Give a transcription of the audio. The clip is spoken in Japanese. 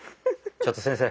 ちょっと先生。